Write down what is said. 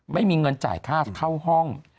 ไม่มีเงินจ่ายค่าเข้าห้อง